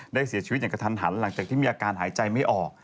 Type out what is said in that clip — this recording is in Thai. เสียชีวิตอย่างกระทันหันหลังจากที่มีอาการหายใจไม่ออก